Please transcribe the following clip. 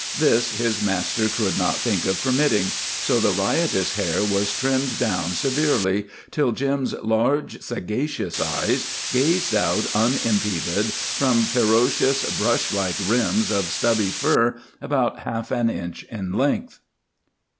This his master could not think of permitting, so the riotous hair was trimmed down severely, till Jim's large, sagacious eyes gazed out unimpeded from ferocious, brush like rims of stubby fur about half an inch in length.